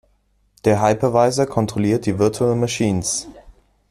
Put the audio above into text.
Der Hypervisor kontrolliert die Virtual Machines.